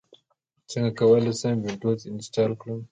څنګه کولی شم وینډوز انسټال کړم